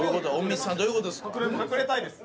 隠れたいです。